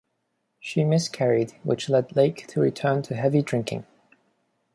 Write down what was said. She miscarried, which led Lake to return to heavy drinking.